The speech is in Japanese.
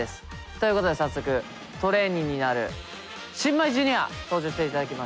ということで早速トレーニーになる新米Ｊｒ．登場していただきましょう。